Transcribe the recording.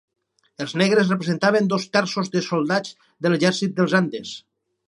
Els negres representaven dos terços dels soldats de l'exèrcit dels Andes.